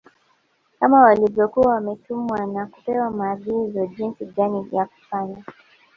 Kama walivyokuwa wametumwa na kupewa maagizo ni jinsi gani ya Kufanya